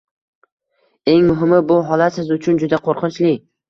Eng muhimi bu holat siz uchun juda qo’rqinchli